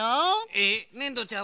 えっねんどちゃん